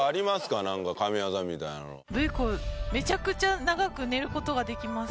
ブイ子めちゃくちゃ長く寝る事ができます。